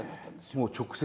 もう直接？